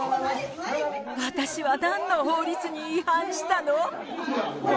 私はなんの法律に違反したの？